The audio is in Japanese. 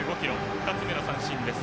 ２つ目の三振です。